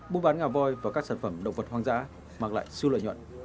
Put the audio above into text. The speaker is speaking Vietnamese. buôn bán ngà voi và các sản phẩm động vật hoang dã mang lại siêu lợi nhuận